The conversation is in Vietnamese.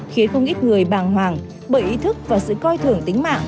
khiến không ít người bàng hoàng bởi ý thức và sự coi thường tính mạng